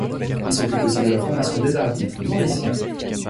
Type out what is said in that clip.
Il s'occupe aussi de la formation des arbitres mauriciens.